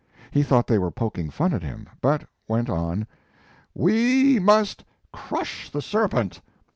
He thought they were poking fun at him, but went on: "We must crush the serpent